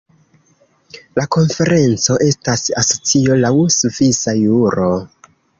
La konferenco estas asocio laŭ svisa juro.